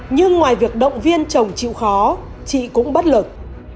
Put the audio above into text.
nhưng ngoài việc động viên chồng chịu khó chị cũng bất lực